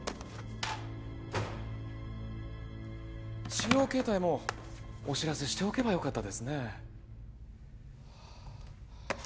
私用携帯もお知らせしておけばよかったですね